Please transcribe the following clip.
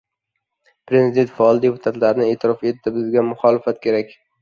Prezident faol deputatlarni e’tirof etdi — «Bizga muholifat kerak!»